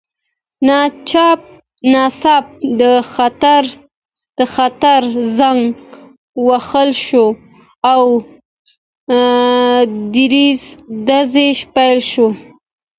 ناڅاپه د خطر زنګ ووهل شو او ډزې پیل شوې